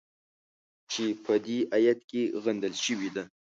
چې په دې ایت کې غندل شوې ده.